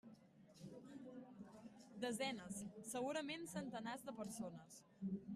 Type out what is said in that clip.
Desenes, segurament centenars de persones.